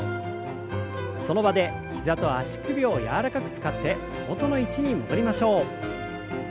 その場で膝と足首を柔らかく使って元の位置に戻りましょう。